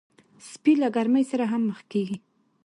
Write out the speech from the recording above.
سپي له ګرمۍ سره هم مخ کېږي.